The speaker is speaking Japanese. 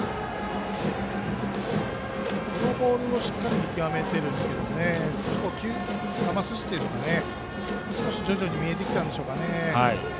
このボールをしっかり見極めているんですが球筋が徐々に見えてきたんでしょうか。